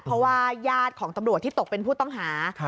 เพราะว่าญาติของตำรวจที่ตกเป็นผู้ต้องหา